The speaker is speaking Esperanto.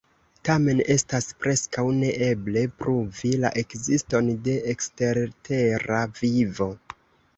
Tamen estas preskaŭ ne eble, pruvi la ekziston de ekstertera vivo.